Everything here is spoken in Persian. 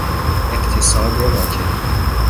اقتصاد راکد